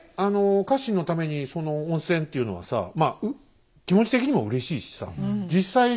家臣のために温泉っていうのはさまあ気持ち的にもうれしいしさ実際疲れもやっぱ。